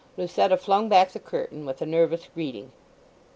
Lucetta flung back the curtain with a nervous greeting.